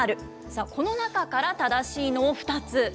さあ、この中から正しいのを２つ。